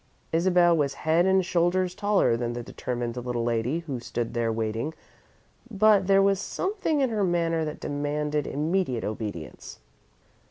Isabel was head and shoulders taller than the determined little lady who stood there, waiting, but there was something in her manner that demanded immediate obedience.